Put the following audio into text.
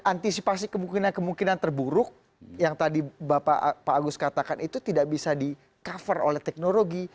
antisipasi kemungkinan kemungkinan terburuk yang tadi pak agus katakan itu tidak bisa di cover oleh teknologi